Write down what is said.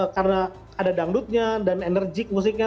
karena ada dangdutnya dan enerjik musiknya